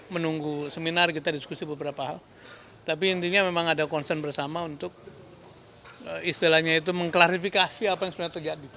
mengklarifikasi apa yang sebenarnya terjadi